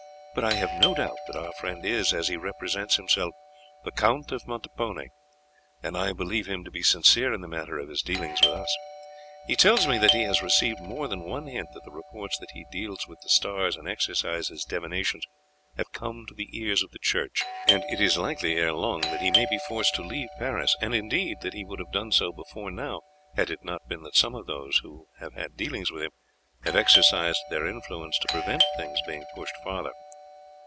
But I have no doubt that our friend is, as he represents himself, the Count of Montepone, and I believe him to be sincere in the matter of his dealings with us. He tells me that he has received more than one hint that the reports that he deals with the stars and exercises divinations have come to the ears of the church, and it is likely ere long he may be forced to leave Paris, and indeed that he would have done so before now had it not been that some of those who have had dealings with him have exercised their influence to prevent things being pushed further.